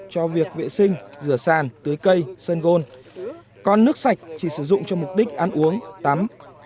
cho việc vệ sinh rửa sàn tưới cây sơn gôn còn nước sạch chỉ sử dụng cho mục đích ăn uống tắm